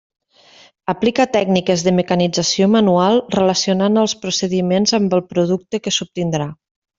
Aplica tècniques de mecanització manual, relacionant els procediments amb el producte que s'obtindrà.